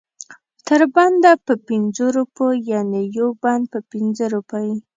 تر بنده په پنځو روپو یعنې یو بند په پنځه روپۍ.